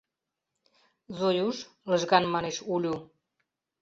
— Зоюш, — лыжган манеш Улю.